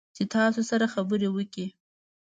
چې تاسو سره خبرې وکړي